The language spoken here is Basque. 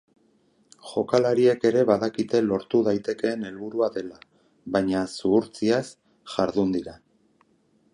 Jokalariek ere badakite lortu daitekeen helburua dela, baina zuhurtziaz jardun dira.